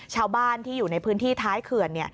ชาวบ้านที่อยู่ในพื้นที่ท้ายเขื่อน